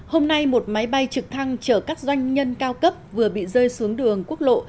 hôm nay một máy bay trực thăng chở các doanh nhân cao cấp vừa bị rơi xuống đường quốc lộ